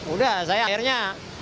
udah saya akhirnya